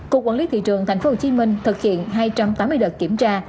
cục quản lý thị trường tp hcm thực hiện hai trăm tám mươi đợt kiểm tra